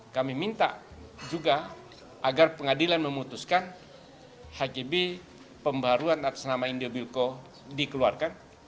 kami minta juga agar pengadilan memutuskan hgb pembaruan atas nama india bilco dikeluarkan